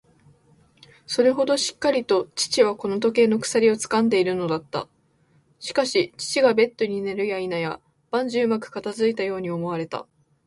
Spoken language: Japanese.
それほどしっかりと父はこの時計の鎖をつかんでいるのだった。しかし、父がベッドに寝るやいなや、万事うまく片づいたように思われた。